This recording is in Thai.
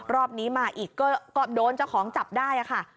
รอบนี้มาอีกก็โดนเจ้าของจับได้ค่ะ